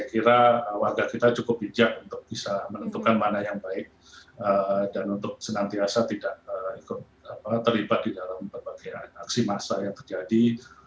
saya kira warga kita cukup bijak untuk bisa menentukan mana yang baik dan untuk senantiasa tidak terlibat di dalam berbagai aksi massa yang terjadi